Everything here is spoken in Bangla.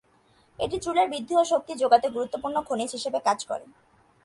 এটি চুলের বৃদ্ধি ও শক্তি জোগাতে গুরুত্বপূর্ণ খনিজ হিসেবে কাজ করে।